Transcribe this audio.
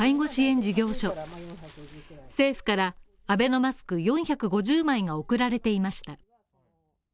事業所政府からアベノマスク４５０枚が送られていました。